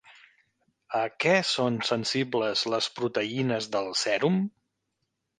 A què són sensibles les proteïnes del sèrum?